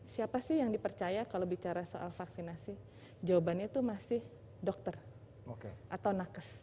siapa sih yang dipercaya kalau bicara soal vaksinasi jawabannya itu masih dokter atau nakes